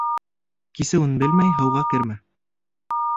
Кисеүен белмәй, һыуға кермә.